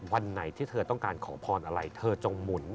วันไหนที่เธอต้องการขอพรอะไรเธอจงหมุน